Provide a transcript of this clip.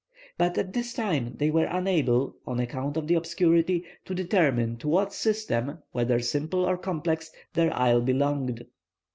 But at this time they were unable, on account of the obscurity, to determine to what system, whether simple or complex, their isle belonged.